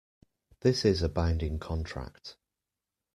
This is a binding contract.